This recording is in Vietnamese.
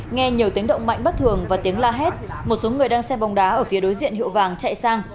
nghe nhiều tiếng động mạnh bất thường và tiếng la hét một số người đang xe bóng đá ở phía đối diện hiệu vàng chạy sang